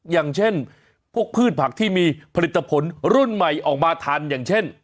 อย่างเช่นพวกพืชผักที่มีผลิตผลรุ่นใหม่ออกมาทันอย่างเช่น